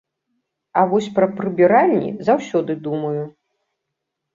А вось пра прыбіральні заўсёды думаю.